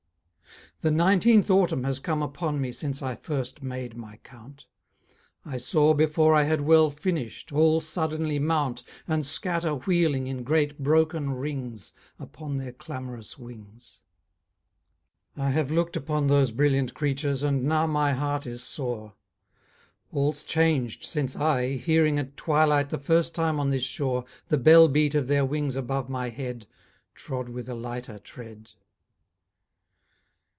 The nineteenth Autumn has come upon me Since I first made my count; I saw, before I had well finished, All suddenly mount And scatter wheeling in great broken rings Upon their clamorous wings. I have looked upon those brilliant creatures, And now my heart is sore. All's changed since I, hearing at twilight, The first time on this shore, The bell beat of their wings above my head, Trod with a lighter tread.